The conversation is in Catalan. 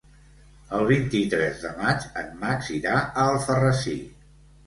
El vint-i-tres de maig en Max irà a Alfarrasí.